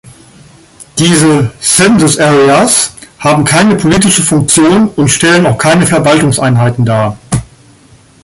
Diese "Census Areas" haben keine politische Funktion und stellen auch keine Verwaltungseinheiten dar.